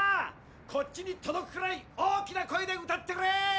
こっちにとどくくらい大きな声で歌ってくれ！